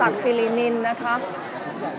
และที่อยู่ด้านหลังคุณยิ่งรักนะคะก็คือนางสาวคัตยาสวัสดีผลนะคะ